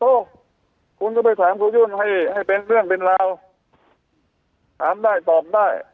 คุณก็ไปถามครูยุ่นให้ให้เป็นเรื่องเป็นราวถามได้ตอบได้